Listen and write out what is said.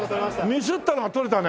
ミスったのが取れたね。